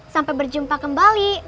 sampai berjumpa kembali